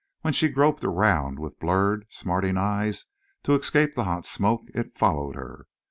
When she groped around with blurred, smarting eyes to escape the hot smoke, it followed her.